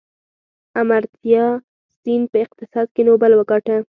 امرتیا سین په اقتصاد کې نوبل وګاټه.